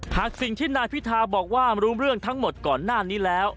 หากสิ่งที่นายพิธาบอกว่ารู้เรื่องทั้งหมดก่อนหน้านี้แล้ว